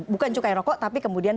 bukan cukai rokok tapi kemudian